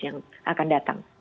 yang akan datang